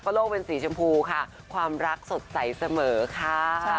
โลกเป็นสีชมพูค่ะความรักสดใสเสมอค่ะ